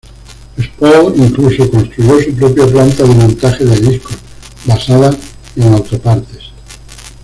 Les Paul incluso construyó su propia planta de montaje de discos, basada en autopartes.